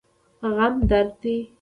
غم درد دی.